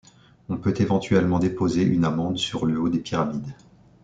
On peut éventuellement déposer une amande sur le haut des pyramides.